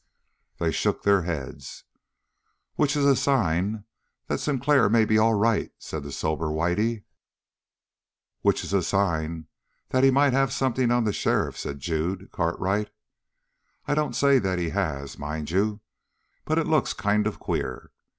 They shook their heads. "Which is a sign that Sinclair may be all right," said the sober Whitey. "Which is a sign that he might have something on the sheriff," said Jude Cartwright. "I don't say that he has, mind you, but it looks kind of queer.